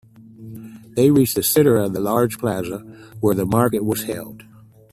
They reached the center of a large plaza where the market was held.